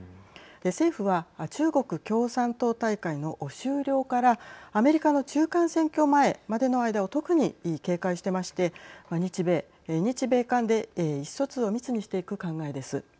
政府は中国共産党大会の終了からアメリカの中間選挙前までの間を特に警戒してまして日米、日米韓で意思疎通を密にしていく考えです。